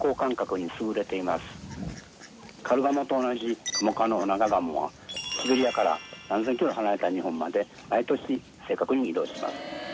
カルガモと同じカモ科のオナガガモはシベリアから何千ｋｍ離れた日本まで毎年正確に移動します。